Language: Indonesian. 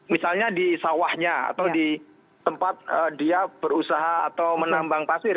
misalnya di sawahnya atau di tempat dia berusaha atau menambang pasir